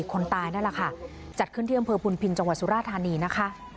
คนตายนั่นแหละค่ะจัดขึ้นที่อำเภอพุนพินจังหวัดสุราธานีนะคะ